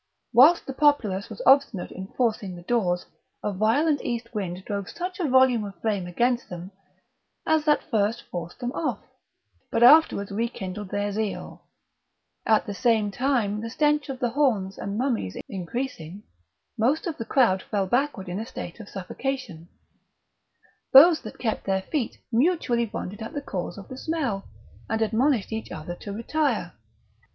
Whilst the populace was obstinate in forcing the doors a violent east wind drove such a volume of flame against them, as at first forced them off, but afterwards re kindled their zeal; at the same time the stench of the horns and mummies increasing, most of the crowd fell backward in a state of suffocation; those that kept their feet mutually wondered at the cause of the smell, and admonished each other to retire.